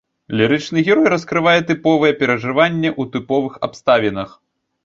Лірычны герой раскрывае тыповыя перажыванні ў тыповых абставінах.